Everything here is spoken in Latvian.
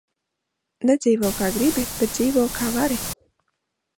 Nedzīvo, kā gribi, bet dzīvo, kā vari.